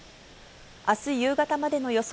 あす夕方までの予想